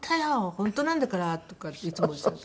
本当なんだから」とかっていつもおっしゃって。